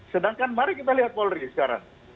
sedangkan mari kita lihat polri sekarang